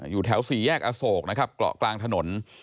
อยู่แถวสี่แยกอโศกนะครับเกาะกลางถนน